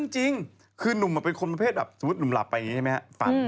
ใช่เลยมีผีให้ผมนั่งฝัน